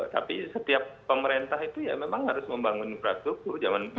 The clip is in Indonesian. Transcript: tapi setiap pemerintah itu ya memang harus membangun infrastruktur